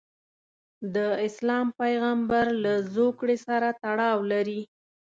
د اسلام پیغمبرله زوکړې سره تړاو لري.